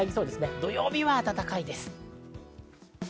土曜日は暖かそうです。